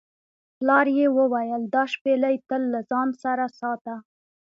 پلار یې وویل دا شپیلۍ تل له ځان سره ساته.